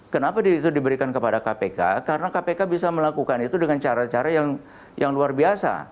kampung kpk bisa melakukan itu dengan cara cara yang luar biasa